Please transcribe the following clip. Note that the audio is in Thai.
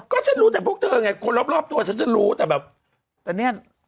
ก็ฉันรู้แต่พวกเธอไงคนรอบตัวฉันจะรู้แต่แบบแต่เนี่ย